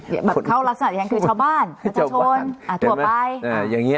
แบบเขารักษณะอย่างคือชาวบ้านชาวบ้านอ่าถั่วไปอ่าอย่างเงี้ย